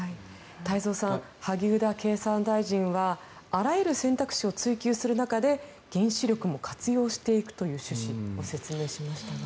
太蔵さん萩生田経産大臣はあらゆる選択肢を追求する中で原子力も活用していくという趣旨を説明しましたが。